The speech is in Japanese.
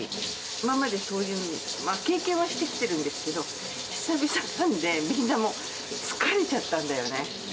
今までそういう経験はしてきてるんですけど、久々なんで、みんなもう、疲れちゃったんだよね。